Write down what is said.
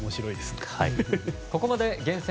ここまで、厳選！